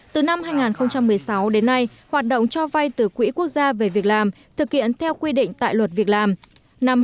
từ năm hai nghìn một mươi sáu đến nay hoạt động cho vay từ quỹ quốc gia về việc làm thực hiện theo quy định tại luật việc làm